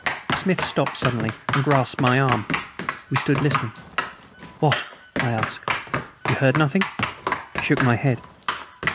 Smith stopped suddenly and grasped my arm. We stood listening. "What?" I asked. "You heard nothing?" I shook my head.